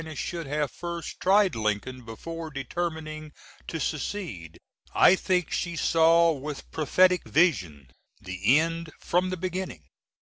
should have first tried Lincoln before determining to secede. I think she saw with prophetic vision the end from the beginning.